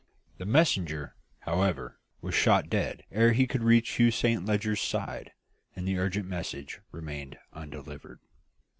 The messenger, however, was shot dead ere he could reach Hugh Saint Leger's side, and the urgent message remained undelivered.